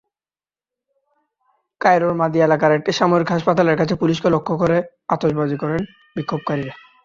কায়রোর মাদি এলাকার একটি সামরিক হাসপাতালের কাছে পুলিশকে লক্ষ্য করে আতশবাজি করেন বিক্ষোভকারীরা।